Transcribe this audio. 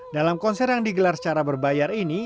dalam konser yang digelar secara berbayar ini